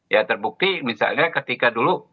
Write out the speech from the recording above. ya terbukti misalnya ketika dulu